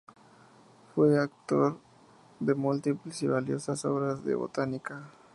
Fue autor de múltiples y valiosas obras de botánica.